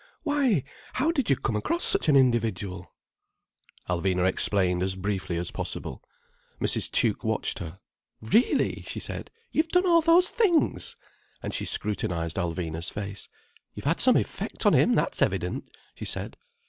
Why, how did you come across such an individual—?" Alvina explained as briefly as possible. Mrs. Tuke watched her. "Really!" she said. "You've done all those things!" And she scrutinized Alvina's face. "You've had some effect on him, that's evident," she said.